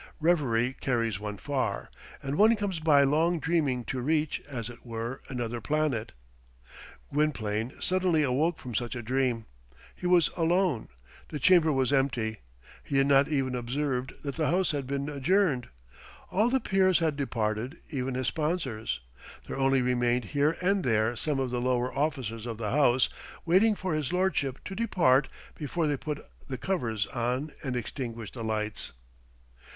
Reverie carries one far; and one comes by long dreaming to reach, as it were, another planet. Gwynplaine suddenly awoke from such a dream. He was alone. The chamber was empty. He had not even observed that the House had been adjourned. All the peers had departed, even his sponsors. There only remained here and there some of the lower officers of the House, waiting for his lordship to depart before they put the covers on and extinguished the lights.